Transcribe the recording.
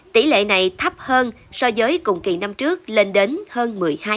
tỷ lệ này thấp hơn so với cùng kỳ năm trước lên đến hơn một mươi hai